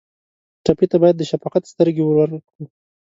ټپي ته باید د شفقت سترګې ورکړو.